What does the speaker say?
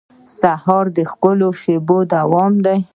سهار د ښکلو شېبو دوام دی.